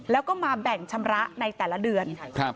แล้วก็มาแบ่งชำระในแต่ละเดือน